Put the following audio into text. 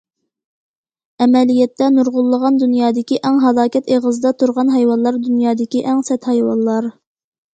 ئەمەلىيەتتە نۇرغۇنلىغان دۇنيادىكى ئەڭ ھالاكەت ئېغىزىدا تۇرغان ھايۋانلار دۇنيادىكى ئەڭ سەت ھايۋانلار.